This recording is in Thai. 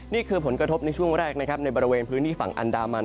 นี่คือผลกระทบในช่วงแรกนะครับในบริเวณพื้นที่ฝั่งอันดามัน